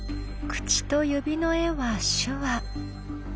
口と指の絵は手話。